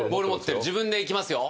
自分で行きますよ。